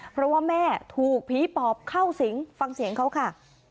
เพราะว่าแม่ถูกผีปอบเข้าสิงฟังเสียงเขาค่ะ